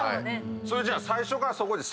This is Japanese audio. それじゃあ。